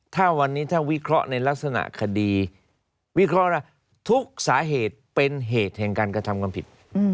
ถ้าวันนี้ถ้าวิเคราะห์ในลักษณะคดีวิเคราะห์ว่าทุกสาเหตุเป็นเหตุแห่งการกระทำความผิด